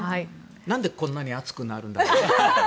何でこんなに熱くなるんだろう。